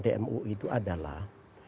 teman teman dmu itu adalah